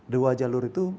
dua jalur itu